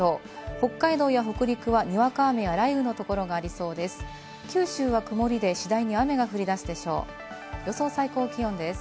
北海道や北陸はにわか雨や、雷雨のところがありそうです。